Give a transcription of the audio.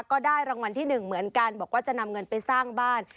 ก็ได้รางวัลที่๑เหมือนกันบอกว่าจะนำเงินไปสร้างบ้าน